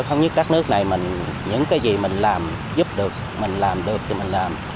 trong đó có rất nhiều người với thâm niên